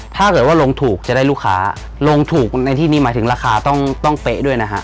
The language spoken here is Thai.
ถ้าเกิดว่าลงถูกจะได้ลูกค้าลงถูกในที่นี้หมายถึงราคาต้องต้องเป๊ะด้วยนะฮะ